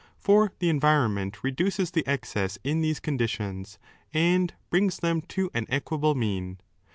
For the environment reduces the excess in these conditions and brings them to an equable mean.